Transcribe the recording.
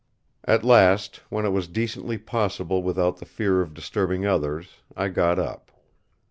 At last, when it was decently possible without the fear of disturbing others, I got up.